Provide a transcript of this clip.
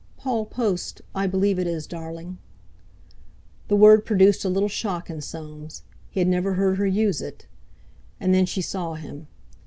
"Paul Post—I believe it is, darling." The word produced a little shock in Soames; he had never heard her use it. And then she saw him.